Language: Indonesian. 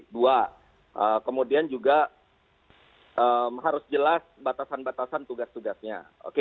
dua kemudian juga harus jelas batasan batasan tugas tugasnya